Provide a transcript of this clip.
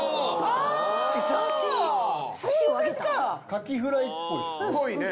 カキフライっぽいですね。